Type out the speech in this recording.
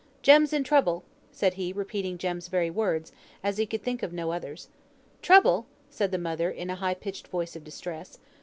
"Jem's in trouble," said he, repeating Jem's very words, as he could think of no others. "Trouble!" said the mother, in a high pitched voice of distress.